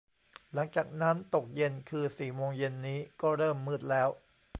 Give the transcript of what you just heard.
หลังจากนั้นตกเย็น คือสี่โมงเย็นนี้ก็เริ่มมืดแล้ว